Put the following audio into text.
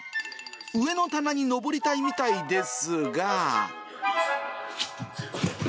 上の棚に上りたいみたいですが。